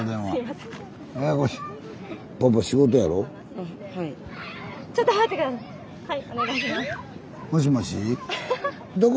はい。